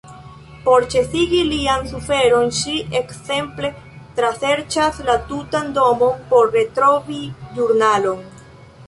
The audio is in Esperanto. Por ĉesigi lian suferon ŝi ekzemple traserĉas la tutan domon por retrovi ĵurnalon.